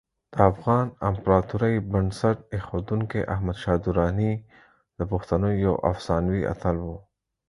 د افغان امپراتورۍ بنسټ ایښودونکی احمدشاه درانی د پښتنو یو افسانوي اتل و.